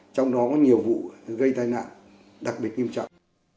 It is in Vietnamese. trong đó có nhiều vụ gây tai nạn đặc biệt nghiêm trọng